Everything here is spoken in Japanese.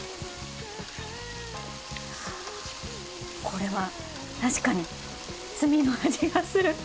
これは確かに罪の味がする。